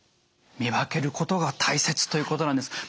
見分けることが大切ということなんです。